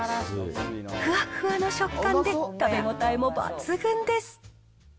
ふわふわの食感で食べ応えも抜群です。